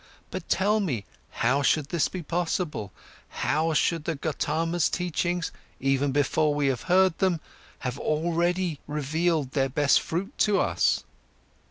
But tell me, how should this be possible? How should the Gotama's teachings, even before we have heard them, have already revealed their best fruit to us?"